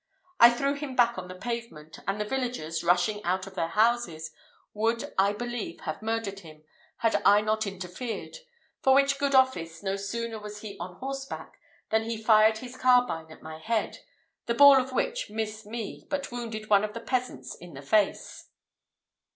I threw him back on the pavement, and the villagers, rushing out of their houses, would, I believe, have murdered him, had I not interfered; for which good office, no sooner was he on horseback, than he fired his carbine at my head, the ball of which missed me, but wounded one of the peasants in the face."